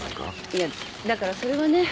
いやだからそれはね。